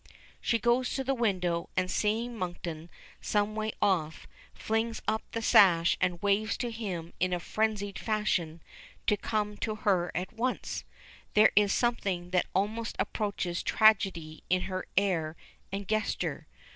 She goes to the window, and seeing Monkton some way off, flings up the sash and waves to him in a frenzied fashion to come to her at once. There is something that almost approaches tragedy in her air and gesture.